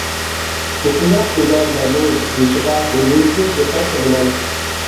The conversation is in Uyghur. مۇشۇنداق ئىبارىلەرنىڭ يېزىلىشىغا بۇندىن كىيىن دىققەت قىلىمەن.